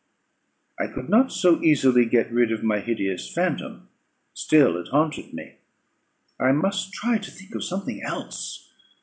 I could not so easily get rid of my hideous phantom; still it haunted me. I must try to think of something else.